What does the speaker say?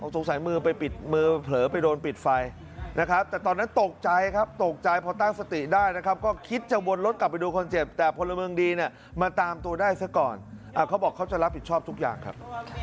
สงสัยมือไปปิดมือเผลอไปโดนปิดไฟนะครับแต่ตอนนั้นตกใจครับตกใจพอตั้งสติได้นะครับก็คิดจะวนรถกลับไปดูคนเจ็บแต่พลเมืองดีเนี่ยมาตามตัวได้ซะก่อนเขาบอกเขาจะรับผิดชอบทุกอย่างครับ